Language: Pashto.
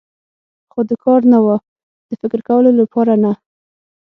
خو د کار نه و، د فکر کولو لپاره نه.